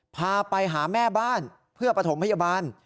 พาไปหาแม่บ้านเพื่อปฐมพยาบาล